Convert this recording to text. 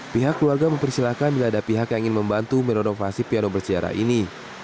pihak keluarga mempersilahkan jika ada pihak yang ingin membantu menonovasi piano bersejarah ini